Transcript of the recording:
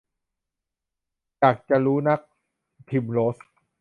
อยากจะรู้นัก - พริมโรส